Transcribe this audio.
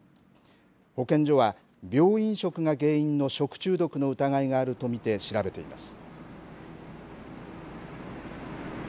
保健所は病院食が原因の食中毒の疑いがあると見て調べています。